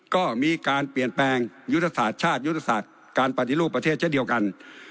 ก็มีการเปลี่ยนแปลงยุทธศาสตร์ชาติยุทธศาสตร์การปฏิรูปประเทศเช่นเดียวกัน